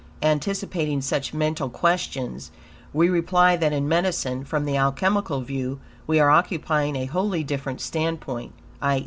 Anticipating such mental questions, we reply that in medicine, from the alchemical view, we are occupying a wholly different standpoint; i.